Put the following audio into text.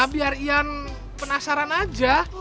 biar yan penasaran aja